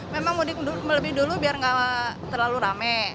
memang mudik lebih dulu biar nggak terlalu rame